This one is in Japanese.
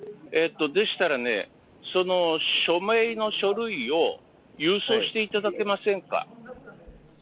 でしたらね、その署名の書類を郵送していただけませんか？